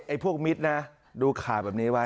พวกมิตรนะดูข่าวแบบนี้ไว้